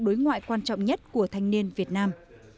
đối ngoại quan trọng nhất của thanh niên việt nam